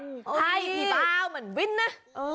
ใช่มันวิ่นน่ะ